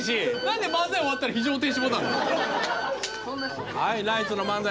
何で漫才終わったら非常停止ボタン？